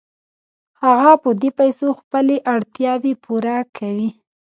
هغه په دې پیسو خپلې اړتیاوې پوره کوي